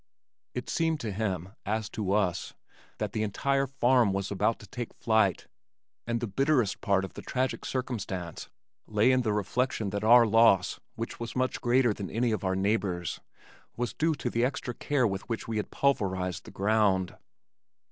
It seemed to him (as to us), that the entire farm was about to take flight and the bitterest part of the tragic circumstance lay in the reflection that our loss (which was much greater than any of our neighbors) was due to the extra care with which we had pulverized the ground.